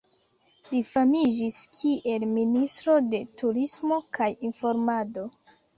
Li famiĝis kiel ministro de Turismo kaj Informado.